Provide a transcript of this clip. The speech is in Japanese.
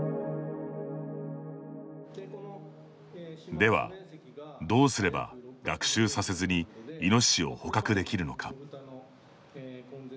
では、どうすれば学習させずにイノシシを捕獲できるのか。